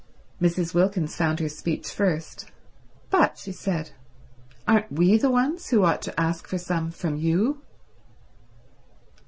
Mrs. Wilkins found her speech first. "But," she said "aren't we the ones who ought to ask for some from you?"